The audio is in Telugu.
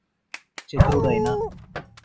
చతురుదైన